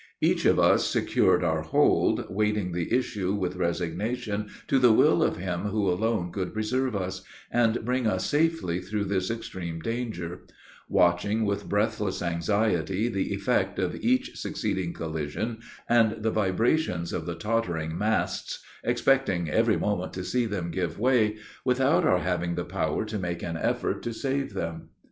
Each of us secured our hold, waiting the issue with resignation to the will of Him who alone could preserve us, and bring us safely through this extreme danger; watching with breathless anxiety the effect of each succeeding collision, and the vibrations of the tottering masts, expecting every moment to see them give way, without our having the power to make an effort to save them.